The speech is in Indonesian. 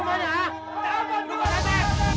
kita bakar rumahnya